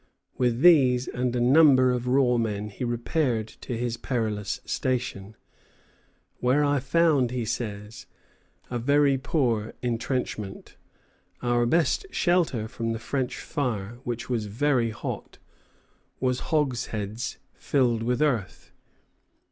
With these and a number of raw men he repaired to his perilous station, where "I found," he says, "a very poor intrenchment. Our best shelter from the French fire, which was very hot, was hogsheads filled with earth."